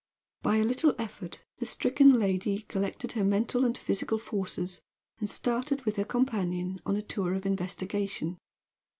By a little effort the stricken lady collected her mental and physical forces, and started, with her companion, on a tour of investigation.